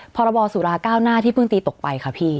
พรบสุราเก้าหน้าที่เพิ่งตีตกไปค่ะพี่